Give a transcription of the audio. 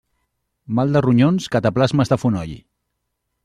Mal de ronyons, cataplasmes de fonoll.